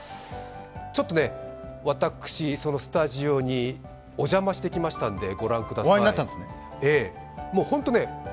ちょっと私、そのスタジオにお邪魔してきましたんで、ご覧ください。